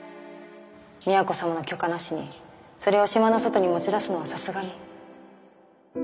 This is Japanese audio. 都様の許可なしにそれを島の外に持ち出すのはさすがに。